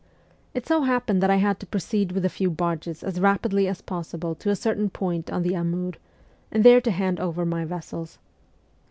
It so happened that I had to proceed with a few barges as rapidly as possible to a certain point on the Amur, and there to hand over my vessels.